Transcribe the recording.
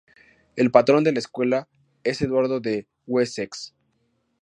El patrón de la escuela es Eduardo de Wessex.